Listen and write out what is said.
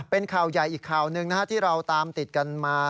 เป็นข่าวใหญ่อีกข่าวหนึ่งที่เราตามติดกันมา